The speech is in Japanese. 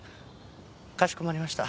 かしこまりました。